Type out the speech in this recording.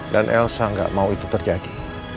dan elsa gak mau itu terjadi